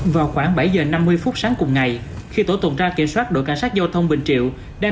vào khoảng bảy h năm mươi sáng cùng ngày khi tổ tồn tra kiểm soát đội cảnh sát giao thông bình triệu đang